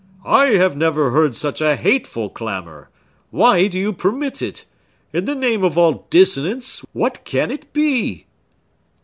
"I have never heard such a hateful clamor! Why do you permit it? In the name of all dissonance, what can it be?"